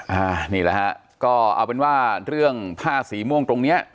นี่แหละฮะก็เอาเป็นว่าเรื่องผ้าสีม่วงตรงเนี้ย